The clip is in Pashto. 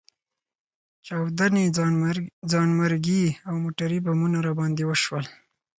چاودنې، ځانمرګي او موټربمونه راباندې وشول.